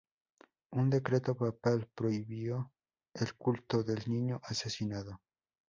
Un decreto papal prohibió el culto del niño asesinado.